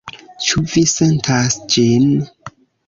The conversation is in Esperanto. Ĉu vi sentas ĝin?